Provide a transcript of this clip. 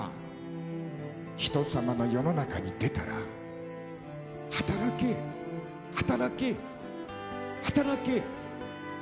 「人様の世の中に出たら働けよ」「働け働け」